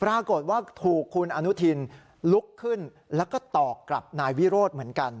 ปรากฏว่าถูกคุณอนุทินลุกขึ้นแล้วก็ตอบกลับนายวิโรธเหมือนกัน